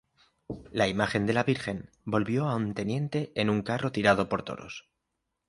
La imagen de la Virgen volvió a Onteniente en un carro tirado por toros.